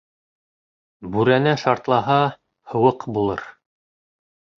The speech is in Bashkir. Бүрәнә шартлаһа, һыуыҡ булыр.